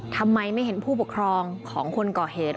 ทำไมไม่เห็นผู้ปกครองของคนก่อเหตุ